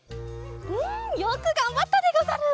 うんよくがんばったでござる！